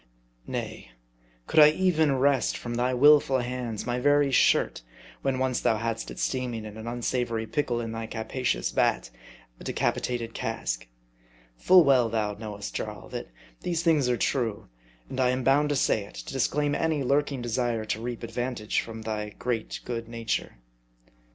Nay : could I even wrest from thy willful hands my very shirt, when once thou hadst it steaming in an unsavory pickle in thy capacious vat, a decapitated cask ? Full well thou knowest, Jarl, that these things are true ; and I am bound to say it, to disclaim any lurking desire to reap ad vantage from thy great good nature.